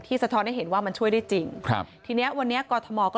สะท้อนให้เห็นว่ามันช่วยได้จริงครับทีเนี้ยวันนี้กรทมก็